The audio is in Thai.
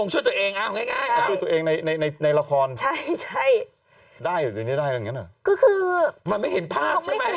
ใช่ของคุณเอสกันตะโพงช่วยตัวเองเอาไงเอาไง